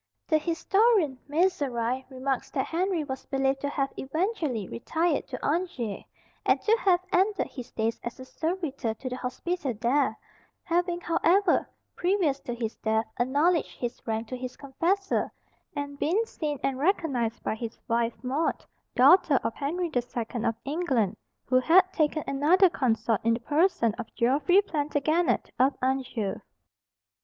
The historian Mezerai remarks that Henry was believed to have eventually retired to Angers, and to have ended his days as a servitor to the hospital there; having, however, previous to his death, acknowledged his rank to his confessor, and been seen and recognized by his wife Maud, daughter of Henry the Second of England, who had taken another consort in the person of Geoffrey Plantagenet of Anjou.